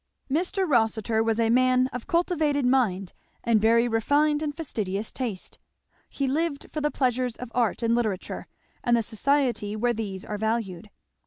Mr. Rossitur was a man of cultivated mind and very refined and fastidious taste. He lived for the pleasures of Art and Literature and the society where these are valued.